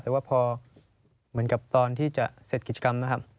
แต่ว่าพอเหมือนกับตอนที่จะเสร็จกิจกรรมนะครับ